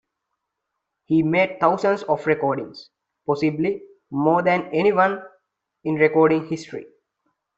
He made thousands of recordings, possibly more than anyone in recording history.